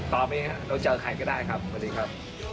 ตอนนี้เราเจอใครก็ได้ครับสวัสดีครับ